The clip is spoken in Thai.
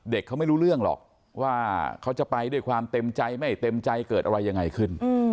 เด็กเขาไม่รู้เรื่องหรอกว่าเขาจะไปด้วยความเต็มใจเกิดอะไรยังไงขึ้น